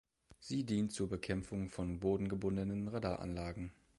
Sie dient zur Bekämpfung von bodengebundenen Radaranlagen.